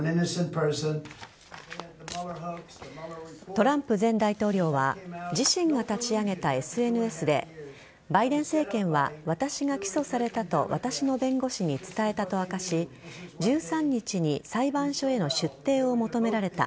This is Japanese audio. トランプ前大統領は自身が立ち上げたＳＮＳでバイデン政権は私が起訴されたと私の弁護士に伝えたと明かし１３日に裁判所への出廷を求められた。